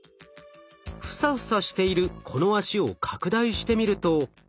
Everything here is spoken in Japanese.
フサフサしているこの脚を拡大してみると。